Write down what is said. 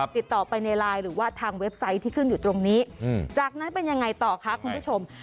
ติดต่อไปในไลน์หรือว่าทางเว็บไซต์ที่ขึ้นอยู่ตรงนี้จากนั้นเป็นยังไงต่อคะคุณผู้ชม